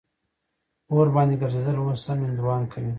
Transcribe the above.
اور باندې ګرځېدل اوس هم هندوان کوي.